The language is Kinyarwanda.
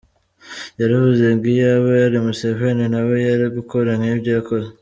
Yaravuze ngo iyaba yari Museveni nawe yari gukora nkibyo yakoze.